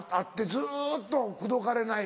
ずっと口説かれない